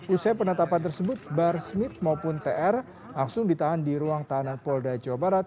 usai penetapan tersebut bar smith maupun tr langsung ditahan di ruang tahanan polda jawa barat